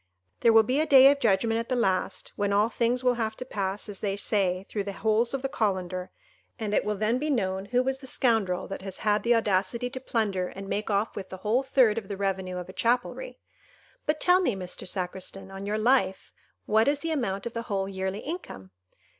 There will be a day of judgment at the last, when all things will have to pass, as they say, through the holes of the colander, and it will then be known who was the scoundrel that has had the audacity to plunder and make off with the whole third of the revenue of a chapelry! But tell me, Mr. Sacristan, on your life, what is the amount of the whole yearly income?"